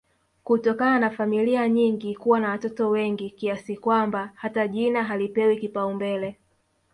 kutokana na familia nyingi kuwa na wototo wengi kiasi kwamba hata jina halipewi kipaumbele